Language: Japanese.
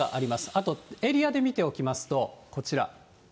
あとエリアで見ておきますと、こちら。